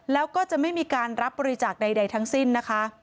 แล้วก็จะไม่มีการรับบริจาคใดทั้งสิ้นนะคะ